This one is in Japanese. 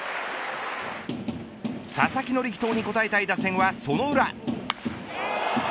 佐々木の力投に応えたい打線はその裏。